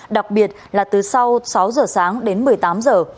đặc biệt là từ sau sáu giờ sáng đến một mươi tám giờ